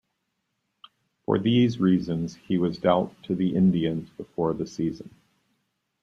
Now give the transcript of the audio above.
For these reasons, he was dealt to the Indians before the season.